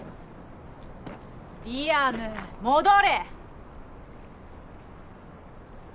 リアム戻れ！